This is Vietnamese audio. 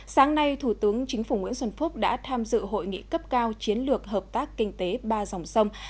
sáng nay thủ tướng chính phủ nguyễn xuân phúc đã tham dự hội nghị cấp cao chiến lược hợp tác kinh tế ba dòng sông